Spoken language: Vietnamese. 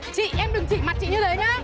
chị em đừng chỉ mặt chị như thế nhá